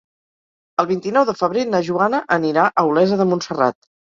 El vint-i-nou de febrer na Joana anirà a Olesa de Montserrat.